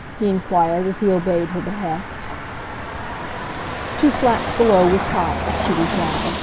he enquired, as he obeyed her behest. "Two flats below with pop," she replied.